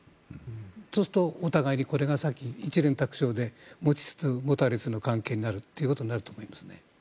そうすると、お互いに一蓮托生で持ちつ持たれつの関係になるということになると思いますね。